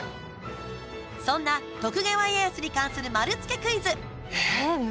そんな徳川家康に関する丸つけクイズ！